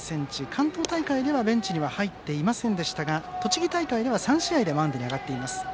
関東大会ではベンチに入っていませんでしたが栃木大会では、３試合でマウンドに上がっています。